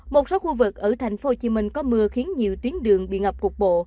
một số khu vực ở thành phố hồ chí minh có mưa khiến nhiều tuyến đường bị ngập cục bộ